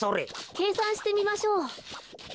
けいさんしてみましょう。